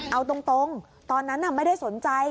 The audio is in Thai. เอาตรงตอนนั้นไม่ได้สนใจ